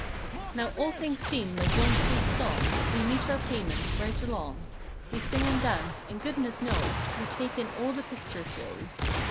Now all things seem like one sweet song: We meet our payments right along; We sing and dance—and goodness knows We take in all the picture shows.